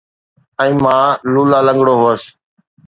۽ مان لولا لنگڙو هوس